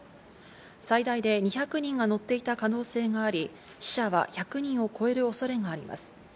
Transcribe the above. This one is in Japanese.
最大で２００人が乗っていた可能性があり、死者は１００人を超える恐れがあります。